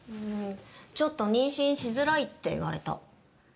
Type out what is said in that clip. ちょっと妊娠しづらいって言われた。